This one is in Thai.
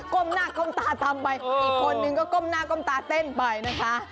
้มหน้าก้มตาทำไปอีกคนนึงก็ก้มหน้าก้มตาเต้นไปนะคะ